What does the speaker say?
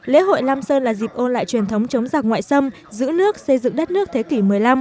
lễ hội lam sơn là dịp ôn lại truyền thống chống giặc ngoại xâm giữ nước xây dựng đất nước thế kỷ một mươi năm